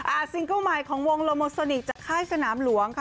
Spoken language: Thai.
อ่าซิงเคิลใหม่ของวงลมสนิคจากค่ายสนามหลวงค่ะ